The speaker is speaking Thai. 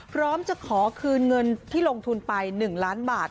พร้อมจะขอคืนเงินที่ลงทุนไป๑ล้านบาท